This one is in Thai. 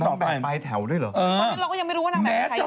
นางแบบไปแถวด้วยหรอ